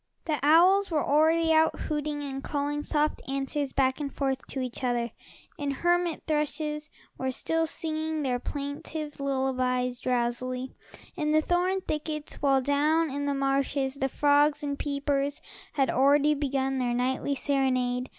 The owls were already out, hooting and calling soft answers back and forth to each other, and hermit thrushes were still singing their plaintive lullabies drowsily, in the thorn thickets, while down in the marshes the frogs and peepers had already begun their nightly serenade.